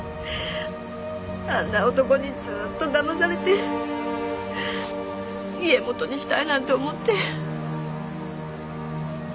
あんな男にずっとだまされて家元にしたいなんて思って。